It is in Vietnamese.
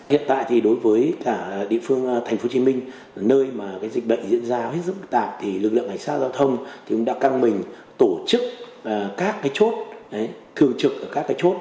hiện tại thì đối với cả địa phương thành phố hồ chí minh nơi mà cái dịch bệnh diễn ra hết sức tạp thì lực lượng cảnh sát giao thông thì cũng đã căng mình tổ chức các cái chốt thường trực các cái chốt